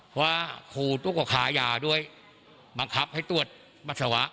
เพราะครูต้องขายาด้วยบังคับให้ตรวจภัสสาวะ